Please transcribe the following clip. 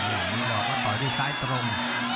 อ้ออย่างนี้ก็ต่อที่ซ้ายตรง